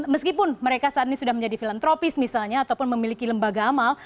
meskipun mereka saat ini sudah menjadi filantropis misalnya ataupun memiliki lembaga amal